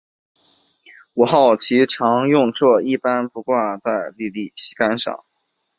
五号旗常用作一般不挂在立地旗杆上。